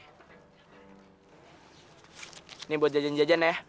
ini buat jajan jajan ya